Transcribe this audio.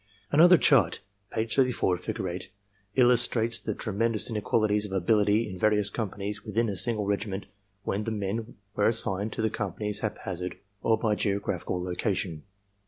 "Another chart (page 34, figure 8) illustrates the tremen dous inequalities of ability in various companies within a single regiment when the men were assigned to the companies hap hazard or by geographical location.